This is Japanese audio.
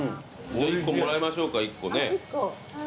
１個もらいましょうか１個ね。